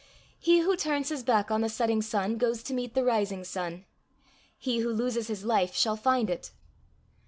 He who turns his back on the setting sun goes to meet the rising sun; he who loses his life shall find it.